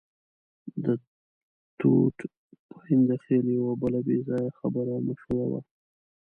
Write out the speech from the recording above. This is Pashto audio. د ټوټ پاینده خېل یوه بله بې ځایه خبره مشهوره وه.